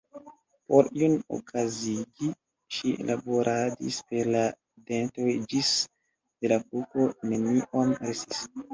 Por ion okazigi, ŝi laboradis per la dentoj ĝis de la kuko neniom restis.